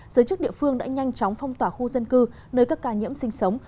giới chức địa phương đã nhanh chóng phong tỏa khu dân cư nơi các ca nhiễm sinh sống